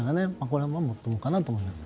これはもっともかなと思います。